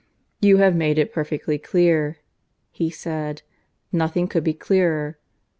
"You have made it perfectly clear," he said. "Nothing could be clearer.